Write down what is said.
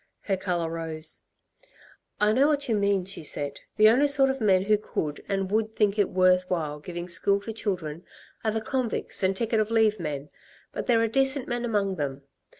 Her colour rose. "I know what you mean," she said. "The only sort of men who could and would think it worth while giving school to children are the convicts and ticket of leave men; but there are decent men among them.